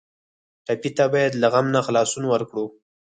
ټپي ته باید له غم نه خلاصون ورکړو.